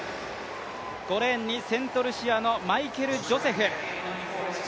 ５レーンにセントルシアのマイケル・ジョセフ。